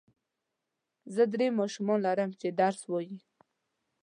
زه درې ماشومان لرم چې درس وايي.